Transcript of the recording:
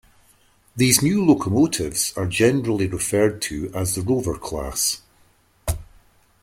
These new locomotives are generally referred to as the Rover class.